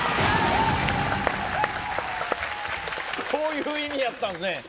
こういう意味やったんすね